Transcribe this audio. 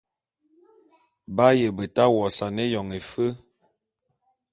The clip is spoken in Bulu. B'aye beta wosane éyon éfe.